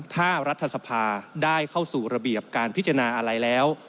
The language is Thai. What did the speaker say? ถ้ารัฐสภาได้เข้าสู่ระเบียบการพิจารณาอะไรแล้ว